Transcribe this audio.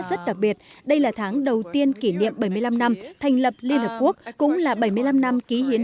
rất đặc biệt đây là tháng đầu tiên kỷ niệm bảy mươi năm năm thành lập liên hợp quốc cũng là bảy mươi năm năm ký hiến